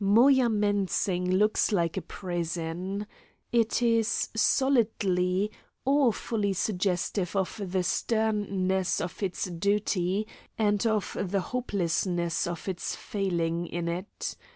Moyamensing looks like a prison. It is solidly, awfully suggestive of the sternness of its duty and of the hopelessness of its failing in it.